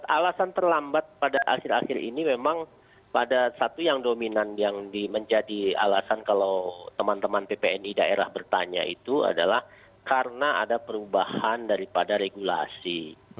alasan terlambat pada akhir akhir ini memang pada satu yang dominan yang menjadi alasan kalau teman teman ppni daerah bertanya itu adalah karena ada perubahan daripada regulasi